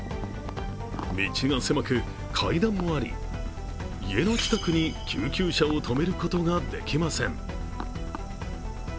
道が狭く階段もあり、家の近くに救急車を止めることができません。